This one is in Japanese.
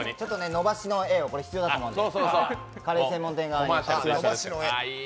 伸ばしの画が必要だと思うんで。